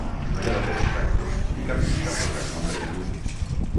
No hi ha dates exactes, ni cap llista sobre el nombre de músics.